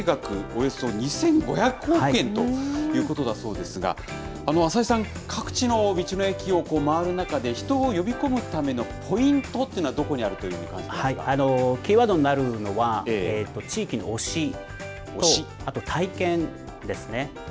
およそ２５００億円ということだそうですが、浅井さん、各地の道の駅を回る中で、人を呼び込むためのポイントというのは、キーワードになるのは、地域の推しと、あと体験ですね。